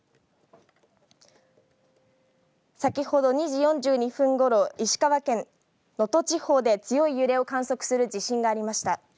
先ほど２時４２分ごろ、石川県能登地方で強い揺れを観測する地震がありました。